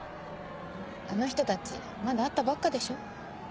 あの人たちまだ会ったばっかでしょ？